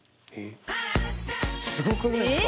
すごくないですか？